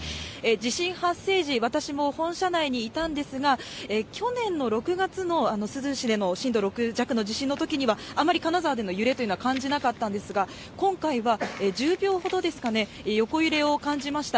地震発生時、私も本社内にいたんですが、去年の６月の珠洲市での震度６弱の地震のときにはあまり金沢での揺れというのは感じなかったんですが、今回は１０秒ほどですかね、横揺れを感じました。